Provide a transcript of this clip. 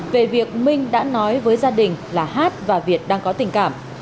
về việc minh đã nói với gia đình là hát và việt đang có tình cảm